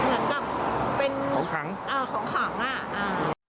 เหมือนกับเป็นของขังอ่าของขังอ่ะอ่า